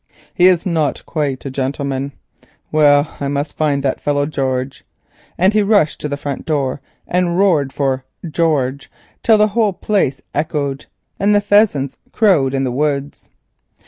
He is not quite a gentleman. Well, I must find that fellow George," and he rushed to the front door and roared for "George," till the whole place echoed and the pheasants crowed in the woods.